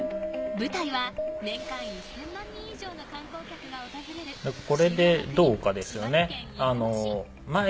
舞台は年間１０００万人以上の観光客が訪れる神話の国・島根県出雲市。